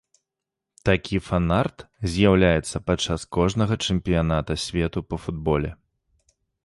Такі фан-арт з'яўляецца падчас кожнага чэмпіяната свету па футболе.